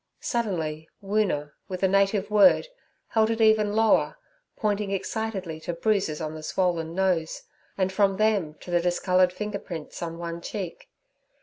Suddenly Woona, with a native word, held it even lower, pointing excitedly to bruises on the swollen nose, and from them to the discoloured finger prints on one cheek.